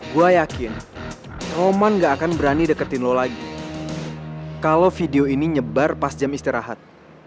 gue yakin oman gak akan berani deketin lo lagi kalau video ini nyebar pas jam istirahat